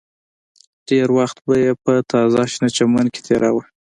ډېر وخت به یې په تازه شنه چمن کې تېراوه